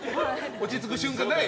落ち着く瞬間ない？